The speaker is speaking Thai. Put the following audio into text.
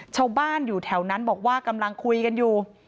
ชาวบ้านอยู่แถวนั้นบอกว่ากำลังคุยกันอยู่